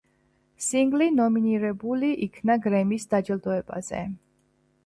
სინგლი ნომინირებული იქნა გრემის დაჯილდოებაზე.